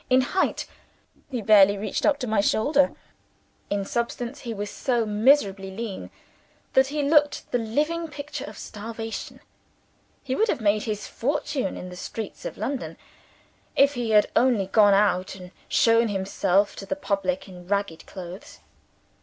In height he barely reached up to my shoulder. In substance, he was so miserably lean that he looked the living picture of starvation. He would have made his fortune in the streets of London, if he had only gone out and shown himself to the public in ragged clothes.